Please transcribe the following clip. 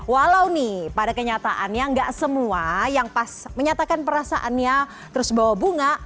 walau nih pada kenyataannya nggak semua yang pas menyatakan perasaannya terus bawa bunga